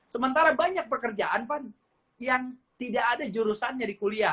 sementara banyak pekerjaan van yang tidak ada jurusannya di kuliah